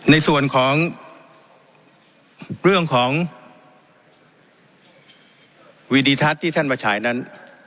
ในส่วนของเรื่องของวีดิทัศน์ที่ท่านมาฉายนั้น